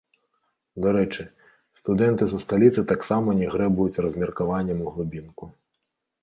Дарэчы, студэнты са сталіцы таксама не грэбуюць размеркаваннем у глыбінку.